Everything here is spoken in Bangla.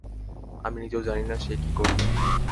আমি নিজেও জানিনা সে কী করবে।